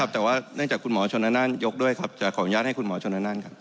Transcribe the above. ผมขออนุญาตให้คุณหมอชนนาน